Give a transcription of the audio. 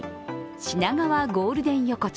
品川ゴールデン横丁。